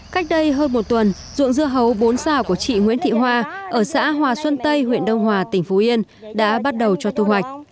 cách đây hơn một tuần ruộng dưa hấu bốn xào của chị nguyễn thị hoa ở xã hòa xuân tây huyện đông hòa tỉnh phú yên đã bắt đầu cho thu hoạch